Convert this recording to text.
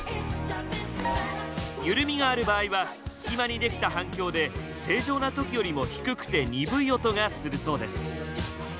緩みがある場合は隙間にできた反響で正常な時よりも低くて鈍い音がするそうです。